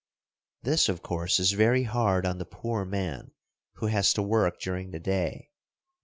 This, of course, is very hard on the poor man who has to work during the day.